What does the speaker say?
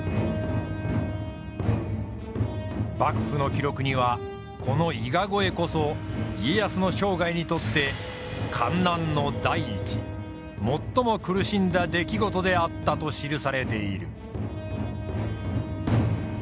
幕府の記録にはこの伊賀越えこそ家康の生涯にとって艱難の第一最も苦しんだ出来事であったと記されている。